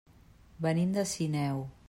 Venim de Sineu.